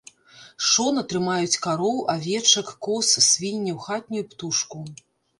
Шона трымаюць кароў, авечак, коз, свінняў, хатнюю птушку.